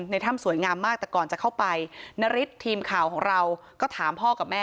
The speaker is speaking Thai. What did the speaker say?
ในถ้ำสวยงามมากแต่ก่อนจะเข้าไปนาริสทีมข่าวของเราก็ถามพ่อกับแม่